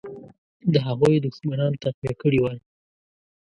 د هغوی دښمنان تقویه کړي وای.